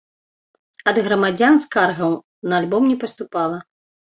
Ад грамадзян скаргаў на альбом не паступала.